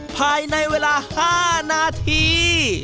ภายในเวลา๕นาที